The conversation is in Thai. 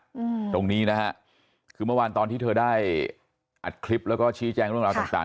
อืมตรงนี้นะฮะคือเมื่อวานตอนที่เธอได้อัดคลิปแล้วก็ชี้แจงเรื่องราวต่างต่าง